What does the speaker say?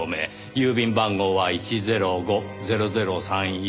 郵便番号は１０５−００３１。